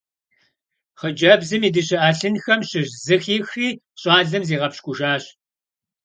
Xhıcebzım yi dışe 'elhınxem şış zı xixri ş'alem ziğepşk'ujjaş.